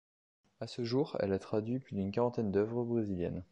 À ce jour elle a traduit plus d’une quarantaine d’œuvres brésiliennes.